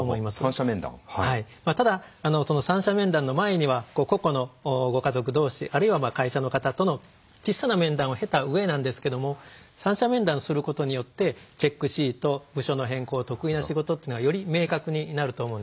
ただ三者面談の前には個々のご家族同士あるいは会社の方との小さな面談を経たうえなんですけども三者面談することによってチェックシート部署の変更得意な仕事っていうのがより明確になると思うんですね。